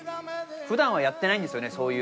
普段はやってないんですよね